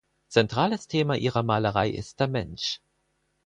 Zentrales Thema ihrer Malerei ist der Mensch.